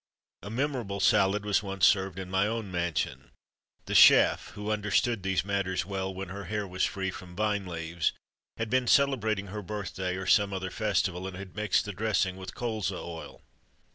A Memorable Salad was once served in my own mansion. The chef, who understood these matters well, when her hair was free from vine leaves, had been celebrating her birthday or some other festival; and had mixed the dressing with Colza oil.